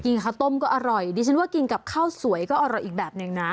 ข้าวต้มก็อร่อยดิฉันว่ากินกับข้าวสวยก็อร่อยอีกแบบหนึ่งนะ